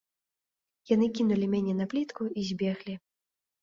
Яны кінулі мяне на плітку і збеглі.